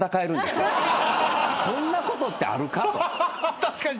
こんなことってあるか？と。